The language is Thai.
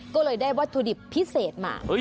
ก็เลยได้วัตถุดิบพิเศษมา